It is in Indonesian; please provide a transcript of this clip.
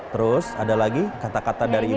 terus ada lagi kata kata dari ibu